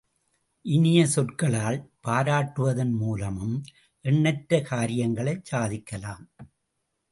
இனிய சொற்களால் பாராட்டுவதின் மூலமும் எண்ணற்ற காரியங்களைச் சாதிக்கலாம்.